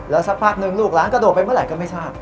สักพักนึงลูกร้านกระโดดไปเมื่อไหร่ก็ไม่ทราบ